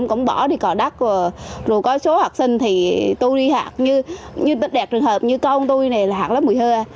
cũng bỏ đi có đất rồi có số học sinh thì tôi đi hạc như đất đẹp trường hợp như con tôi này là hạc lắm mùi hưa